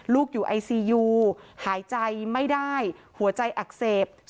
ลูกอยู่ไอซียูหายใจไม่ได้หัวใจอักเสบ